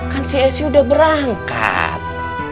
kan si esi udah berangkat